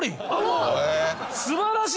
素晴らしい！